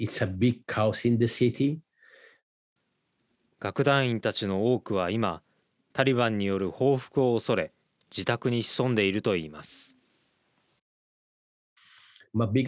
楽団員たちの多くは今タリバンによる報復を恐れ自宅に潜んでいると言います。